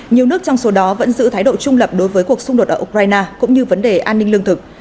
nhiều nước trong số đó vẫn giữ thái độ trung lập đối với cuộc xung đột ở ukraine cũng như vấn đề an ninh lương thực